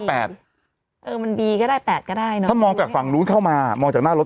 เออมันดีก็ได้๘ก็ได้เนอะถ้ามองจากฝั่งนู้นเข้ามามองจากหน้ารถ